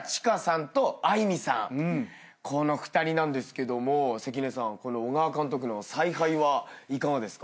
この２人なんですけども関根さん小川監督の采配はいかがですか？